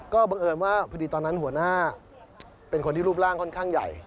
ก็บังเอิญว่าพอดีตอนนั้นหัวหน้าเป็นคนที่รูปร่างค่อนข้างใหญ่